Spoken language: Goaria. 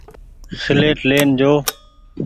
سيليٽ لين جو ۔